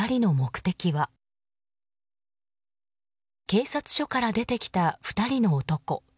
警察署から出てきた２人の男。